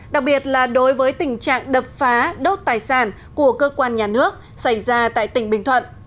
đặc biệt là đối với tình trạng đập phá đốt tài sản của cơ quan nhà nước xảy ra tại tỉnh bình thuận